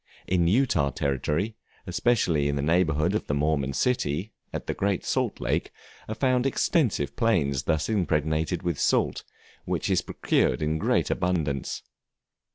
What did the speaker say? In Utah Territory, especially in the neighborhood of the Mormon city, at the Great Salt Lake, are found extensive plains thus impregnated with salt, which is procured in great abundance.